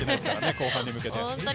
後半に向けて。